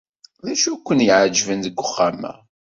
D acu ay ken-iɛejben deg uxxam-a?